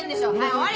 終わり！